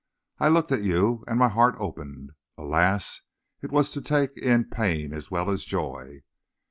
I looked at you, and my heart opened. Alas! it was to take in pain as well as joy.